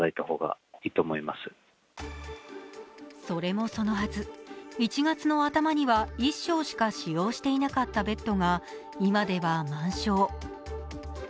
それもそのはず、１月の頭には１床しか使用していなかったベッドが今では満床。